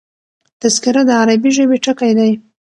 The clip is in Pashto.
تذکره د عربي ژبي ټکی دﺉ.